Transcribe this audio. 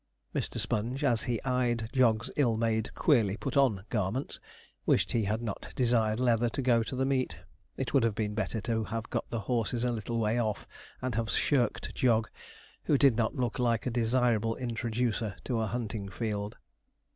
Mr. Sponge, as he eyed Jog's ill made, queerly put on garments, wished that he had not desired Leather to go to the meet. It would have been better to have got the horses a little way off, and have shirked Jog, who did not look like a desirable introducer to a hunting field.